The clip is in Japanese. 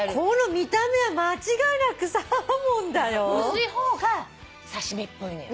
薄い方が刺し身っぽいのよ。